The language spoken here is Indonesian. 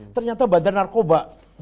ternyata bandar narkoba